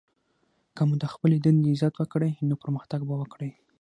که مو د خپلي دندې عزت وکړئ! نو پرمختګ به وکړئ!